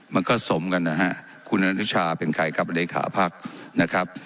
มันก็สมกันนะฮะคุณอนุชาเป็นใครกับเลขาภักดิ์นะครับ